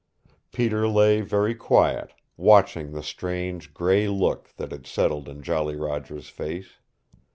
Peter lay very quiet, watching the strange gray look that had settled in Jolly Roger's face.